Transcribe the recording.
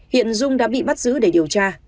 hiện dung đã bị bắt giữ để điều tra